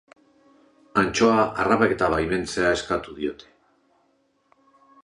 Antxoa harrapaketa baimentzea eskatu diote.